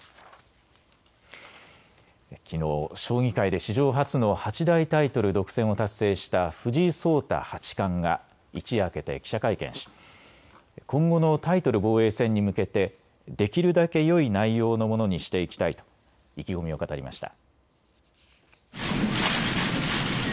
きのう将棋界で史上初の八大タイトル独占を達成した藤井聡太八冠が一夜明けて記者会見し今後のタイトル防衛戦に向けてできるだけよい内容のものにしていきたいと意気込みを語りました。